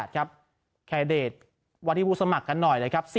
ค่ะเดชน์วันที่พูดสมัครกันหน่อยเลยครับ